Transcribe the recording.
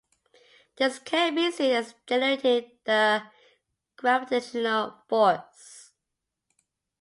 This can be seen as generating the gravitational force.